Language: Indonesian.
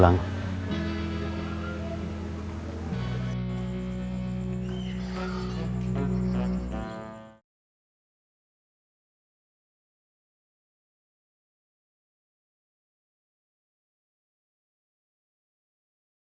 kan dengan jam tujuh